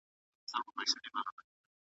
یوه ورځ په ښار کي جوړه غلغله سوه .